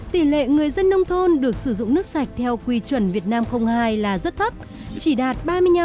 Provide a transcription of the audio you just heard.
tỷ lệ người dân nông thôn được sử dụng nước sạch theo quy chuẩn việt nam hai là rất thấp chỉ đạt ba mươi năm